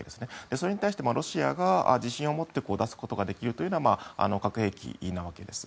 それに対してロシアが自信を持って出すことができるのは核兵器なわけです。